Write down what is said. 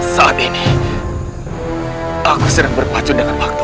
saat ini aku sedang berpacu dengan waktu